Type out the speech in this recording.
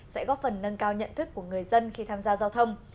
sẽ góp phần nâng cao nhận thức của người dân khi tham gia giao thông